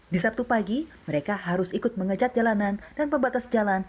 di sabtu pagi mereka harus ikut mengecat jalanan dan pembatas jalan